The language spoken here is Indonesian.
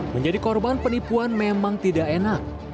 menjadi korban penipuan memang tidak enak